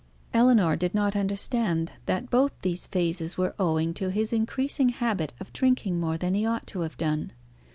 Ellinor did not understand that both these phases were owing to his increasing habit of drinking more than he ought to have done.